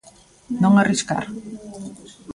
Non arriscar.